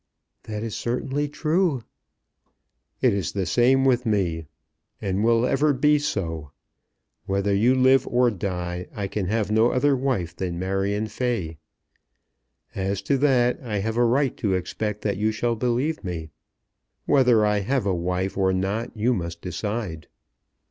"That is certainly true." "It is the same with me, and will ever be so. Whether you live or die, I can have no other wife than Marion Fay. As to that I have a right to expect that you shall believe me. Whether I have a wife or not you must decide."